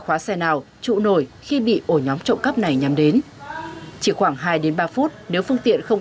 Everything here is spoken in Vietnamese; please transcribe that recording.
khóa xe nào trụ nổi khi bị ổ nhóm trộm cắp này nhắm đến chỉ khoảng hai ba phút nếu phương tiện không